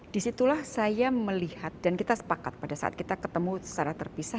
disitulah saya melihat dan kita sepakat pada saat kita ketemu secara terpisah